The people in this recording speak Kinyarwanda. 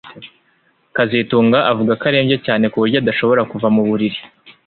kazitunga avuga ko arembye cyane ku buryo adashobora kuva mu buriri